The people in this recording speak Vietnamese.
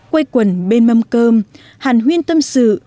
quay quần bên mâm cơm hàn huyên tâm sự